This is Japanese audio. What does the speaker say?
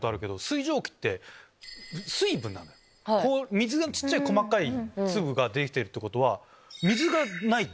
水の小っちゃい細かい粒が出てきてるってことは。